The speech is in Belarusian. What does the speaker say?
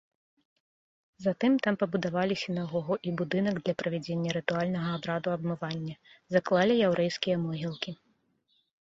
Затым там пабудавалі сінагогу і будынак для правядзення рытуальнага абраду абмывання, заклалі яўрэйскія могілкі.